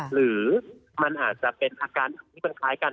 หรือมันอาจจะเป็นอาการที่มันคล้ายกัน